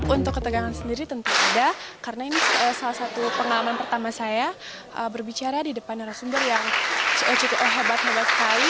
untuk ketegangan sendiri tentu ada karena ini salah satu pengalaman pertama saya berbicara di depan narasumber yang cukup hebat hebat sekali